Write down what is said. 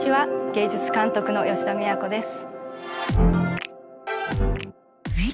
芸術監督の吉田都です。